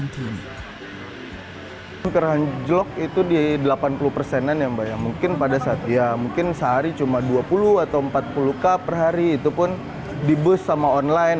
keranjlok itu di delapan puluh persenan ya mbak ya mungkin pada saat ya mungkin sehari cuma dua puluh atau empat puluh cup per hari itu pun di bus sama online